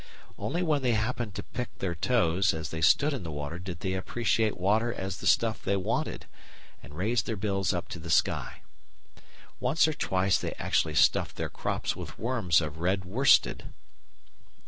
Only when they happened to peck their toes as they stood in the water did they appreciate water as the stuff they wanted, and raise their bills up to the sky. Once or twice they actually stuffed their crops with "worms" of red worsted!